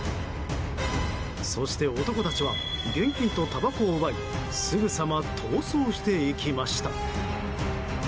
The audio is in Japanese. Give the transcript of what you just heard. そして男たちは現金とたばこを奪いすぐさま逃走していきました。